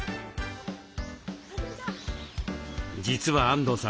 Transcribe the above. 実は安藤さん